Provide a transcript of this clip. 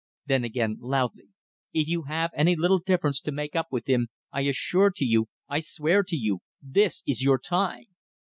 Then again, loudly: "If you have any little difference to make up with him, I assure you I swear to you this is your time!"